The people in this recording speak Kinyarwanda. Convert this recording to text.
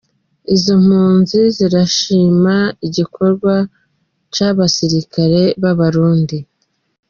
Izo mpunzi zirashima igikorwa c'abasirikare b'abarundi.